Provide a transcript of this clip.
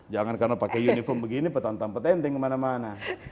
jangan karena pakai uniform begini petan tampetan yang mana mana